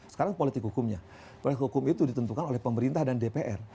sekarang politik hukumnya politik hukum itu ditentukan oleh pemerintah dan dpr